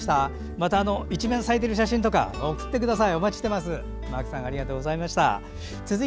また一面に咲いてる写真とか送ってください。